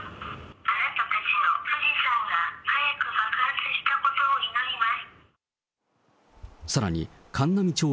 あなたたちの富士山が早く爆発したことを祈ります。